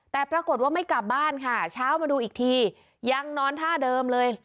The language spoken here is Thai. แต่ปรากฏว่าไม่กลับบ้านค่ะเช้ามาดูอีกทียังนอนท่าเดิมเลย